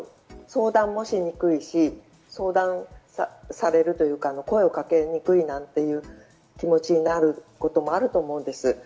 相談もしにくいし、相談されるというか声をかけにくいなんていう気持ちになることもあると思うんです。